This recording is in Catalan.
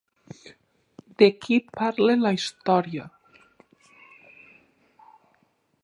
De qui parla la història?